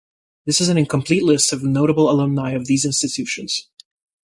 This is an incomplete list of notable alumni of these institutions.